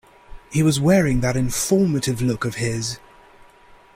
He was wearing that informative look of his.